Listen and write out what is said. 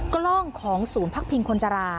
กล้องของศูนย์พักพิงคนจรา